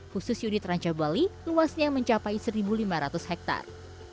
khusus unit rencah bali luasnya mencapai seribu lima ratus hektar